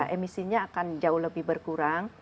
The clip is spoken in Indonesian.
emisinya akan jauh lebih berkurang